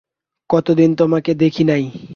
কতদিন তোকে দেখি নাই।